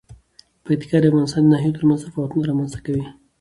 پکتیکا د افغانستان د ناحیو ترمنځ تفاوتونه رامنځ ته کوي.